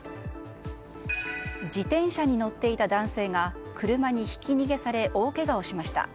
自転車に乗っていた男性が車にひき逃げされ大けがをしました。